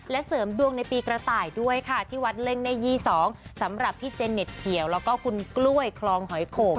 เสริมดวงในปีกระต่ายด้วยค่ะที่วัดเล่งเน่ยี่๒สำหรับพี่เจนเน็ตเขียวแล้วก็คุณกล้วยคลองหอยโข่ง